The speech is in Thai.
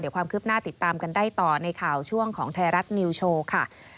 ความคืบหน้าติดตามกันได้ต่อในข่าวช่วงของไทยรัฐนิวโชว์ค่ะ